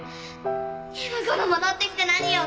今頃戻ってきて何よ。